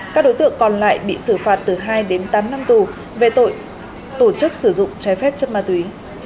các đối tượng còn lại bị xử phạt từ hai đến tám năm tù về tội tổ chức sử dụng trái phép chất ma túy